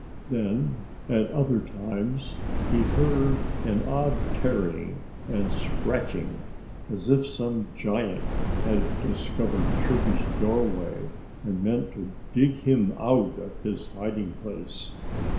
Then at other times he heard an odd tearing and scratching, as if some giant had discovered Chirpy's doorway and meant to dig him out of his hiding place.